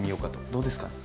どうですかね？